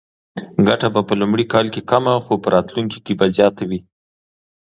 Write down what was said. ګټه به په لومړي کال کې کمه خو په راتلونکي کې به زیاته وي.